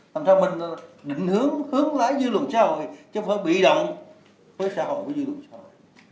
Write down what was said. làm sao mình định hướng hướng lái dư luận xã hội chứ không phải bị động với xã hội với dư luận xã hội